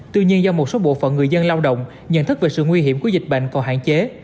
tuy nhiên do một số bộ phận người dân lao động nhận thức về sự nguy hiểm của dịch bệnh còn hạn chế